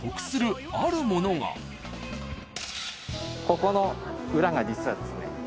ここの裏が実はですね